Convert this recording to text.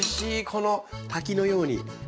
この滝のように。